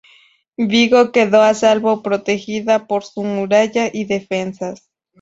Vigo quedó a salvo protegida por su muralla y defensas.